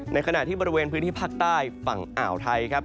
ในขณะที่บริเวณพื้นที่ภาคใต้ฝั่งอ่าวไทยครับ